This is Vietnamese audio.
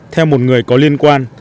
theo một người có liên quan